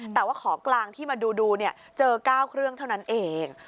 แต่ว่าของกลางที่มาดูเจอ๙เครื่องเท่านั้นเอง